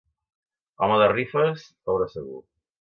Home de rifes, pobre segur.